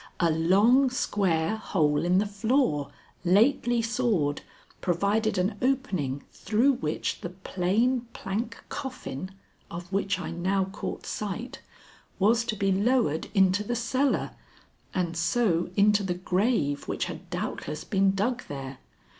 A long square hole in the floor, lately sawed, provided an opening through which the plain plank coffin, of which I now caught sight, was to be lowered into the cellar and so into the grave which had doubtless been dug there.